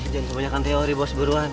kebanyakan teori bos buruan